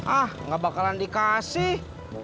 ah gak bakalan dikasih